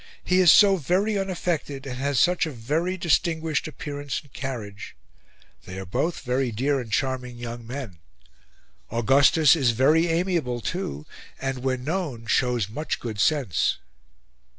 He is so very unaffected, and has such a very distinguished appearance and carriage. They are both very dear and charming young men. Augustus is very amiable, too, and, when known, shows much good sense."